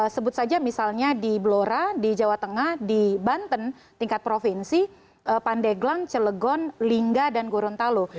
sebut saja misalnya di blora di jawa tengah di banten tingkat provinsi pandeglang celegon lingga dan gorontalo